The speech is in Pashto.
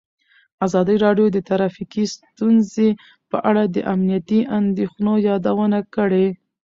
ازادي راډیو د ټرافیکي ستونزې په اړه د امنیتي اندېښنو یادونه کړې.